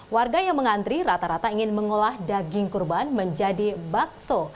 warga yang mengantri rata rata ingin mengolah daging kurban menjadi bakso